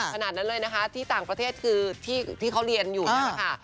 ขนาดนั้นเลยนะคะที่ต่างประเทศคือที่เขาเรียนอยู่นั่นแหละค่ะ